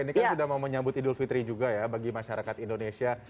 ini kan sudah mau menyambut idul fitri juga ya bagi masyarakat indonesia